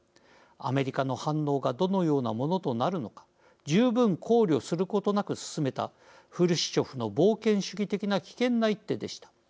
アメリカの反応がどのようなものとなるのか十分、考慮することなく進めたフルシチョフの冒険主義的な危険な一手でした。